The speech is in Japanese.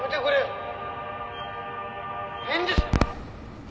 返事！」